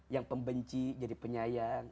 yang pembenci jadi penyayang